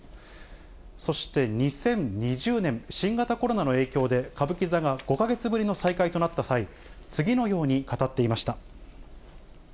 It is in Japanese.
そして２０２０年、新型コロナの影響で、歌舞伎座が５か月ぶりの再開となった際、次のように語っていました。